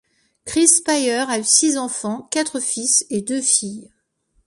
Chris Speier a six enfants, quatre fils et deux filles.